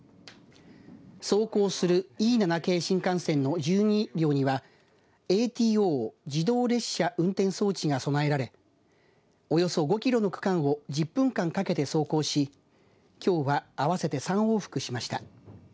走行するＥ７系新幹線の１２両にはＡＴＯ自動列車運転装置が備えられおよそ５キロの区間を１０分間かけて走行しきょうは合わせて３往復しました。